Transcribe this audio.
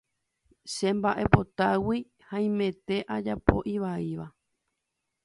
chemba'epotágui haimete ajapo ivaíva